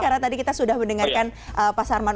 karena tadi kita sudah mendengarkan pak sarman